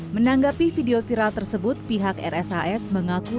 menanggapi video viral tersebut pihak rshs mengaku